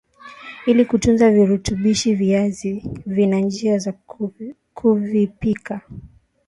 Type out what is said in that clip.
Ili kutunza virutubishi viazi vina njia za kuvipika